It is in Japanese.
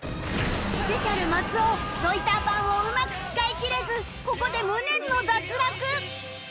ＳｐｅｃｉａＬ 松尾ロイター板をうまく使いきれずここで無念の脱落